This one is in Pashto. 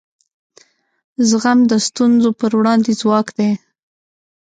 زغم د ستونزو پر وړاندې ځواک دی.